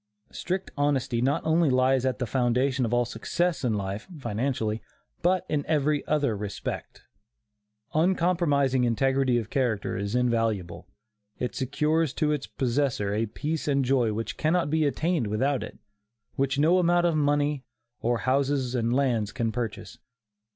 Strict honesty not only lies at the foundation of all success in life (financially), but in every other respect. Uncompromising integrity of character is invaluable. It secures to its possessor a peace and joy which cannot be attained without it which no amount of money, or houses and lands can purchase.